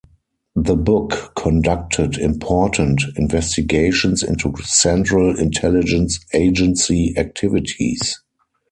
The book conducted important investigations into Central Intelligence Agency activities.